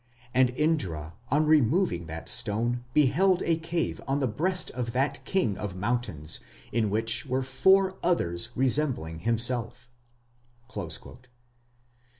"And Indra on removing that stone beheld a cave on the breast of that king of mountains in which were four others resembling himself."